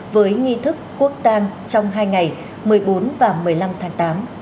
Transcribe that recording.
với nghi thức quốc tang trong hai ngày một mươi bốn và một mươi năm tháng tám